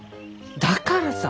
だからさ。